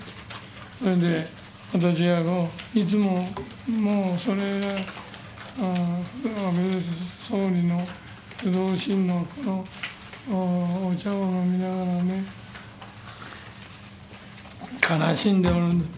それで私はいつももうそれは、安倍総理のお茶を飲みながらね、悲しんでおるんです。